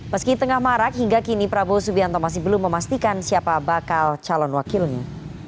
meski tengah marak hingga kini prabowo subianto masih belum memastikan siapa bakal calon wakilnya